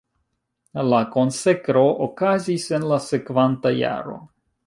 La konsekro okazis en la sekvanta jaro.